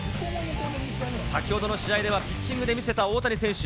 先ほどの試合ではピッチングで見せた大谷選手。